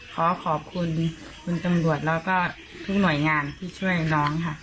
ขอขอบคุณคุณตำรวจแล้วก็ทุกหน่วยงานที่ช่วยน้องค่ะ